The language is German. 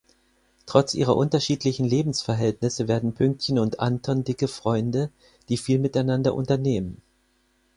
Trotz ihrer unterschiedlichen Lebensverhältnisse werden Pünktchen und Anton dicke Freunde, die viel miteinander unternehmen.